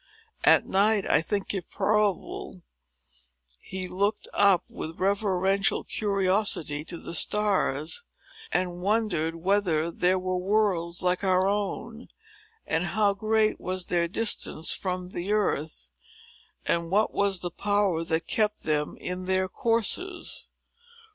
At night, I think it probable, he looked up with reverential curiosity to the stars, and wondered whether they were worlds, like our own,—and how great was their distance from the earth,—and what was the power that kept them in their courses.